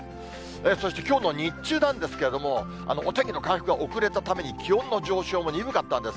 そして、きょうの日中なんですけれども、お天気の回復が遅れたために、気温の上昇も鈍かったんです。